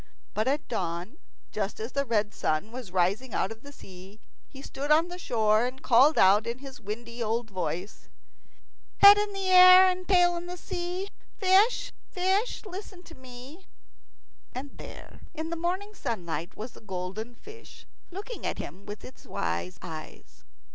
But at dawn, just as the red sun was rising out of the sea, he stood on the shore, and called out in his windy old voice, "Head in air and tail in sea, Fish, fish, listen to me." And there in the morning sunlight was the golden fish, looking at him with its wise eyes.